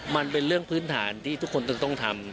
มันเป็นเรื่องพื้นฐานที่ทุกคนต้องทำ